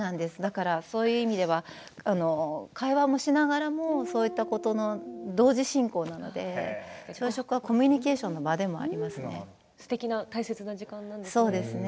そういう意味では会話もしながらもそういったことの同時進行なので朝食はコミュニケーションの場すてきな大切な時間ですね。